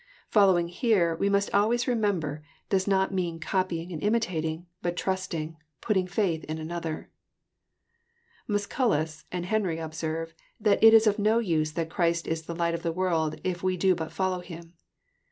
Fol lowing here, we must always remember, does not mean copying and imitating, but trusting, putting faith in another. Musculus and Henry observe, that it is of no use that Christ is the light of the world If we do but follow Him.